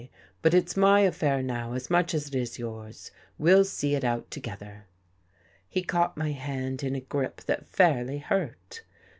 " But It's my affair now as much as It is yours. We'll see it out together." He caught my hand In a grip that fairly hurt.